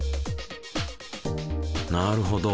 なるほど。